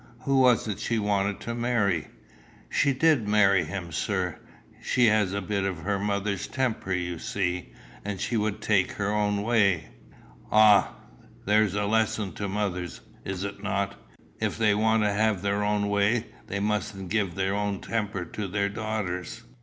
Who was it she wanted to marry?" "She did marry him, sir. She has a bit of her mother's temper, you see, and she would take her own way." "Ah, there's a lesson to mothers, is it not? If they want to have their own way, they mustn't give their own temper to their daughters."